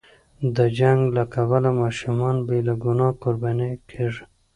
د جنګ له کبله ماشومان بې له ګناه قرباني کېږي.